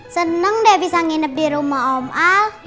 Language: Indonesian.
seneng deh bisa nginep di rumah om a